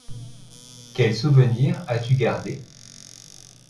Quel souvenir as-tu gardé ?